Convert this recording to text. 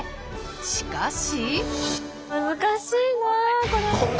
しかし。